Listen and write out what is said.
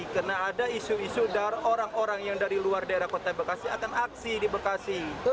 karena ada isu isu dari orang orang yang dari luar daerah kota bekasi akan aksi di bekasi